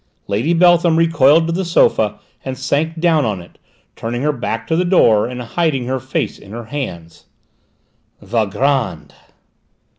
Lady Beltham recoiled to the sofa and sank down on it, turning her back to the door, and hiding her face in her hands. "Valgrand!"